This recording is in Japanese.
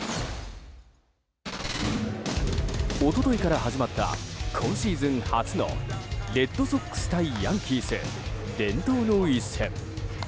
一昨日から始まった今シーズン初のレッドソックス対ヤンキース伝統の一戦。